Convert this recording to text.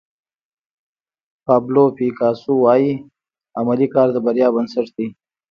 پابلو پیکاسو وایي عملي کار د بریا بنسټ دی.